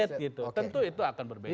tentu itu akan berbeda